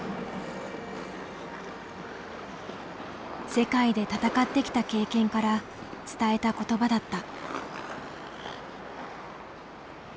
世界で戦ってきた経験から伝えた言葉だった。